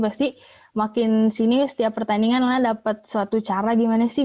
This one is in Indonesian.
pasti makin sini setiap pertandingan lana dapat suatu cara gimana sih